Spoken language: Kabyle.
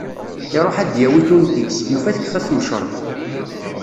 Iruḥ ad d-yawi tunt-is, yufa tekfa tmecreṭ.